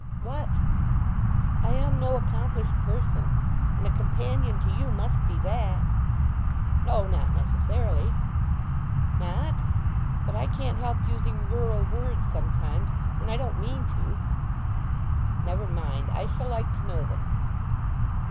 "What?" "I am no accomplished person. And a companion to you must be that." "O, not necessarily." "Not? But I can't help using rural words sometimes, when I don't mean to." "Never mind, I shall like to know them."